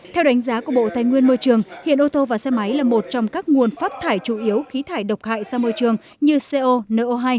theo đánh giá của bộ tài nguyên môi trường hiện ô tô và xe máy là một trong các nguồn phát thải chủ yếu khí thải độc hại sang môi trường như co no hai